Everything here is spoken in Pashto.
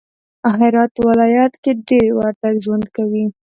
هرات ولایت کی دیر وردگ ژوند کوی